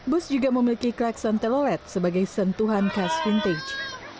bus juga memiliki klakson telolet sebagai sentuhan khas vintage